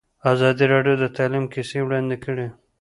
ازادي راډیو د تعلیم کیسې وړاندې کړي.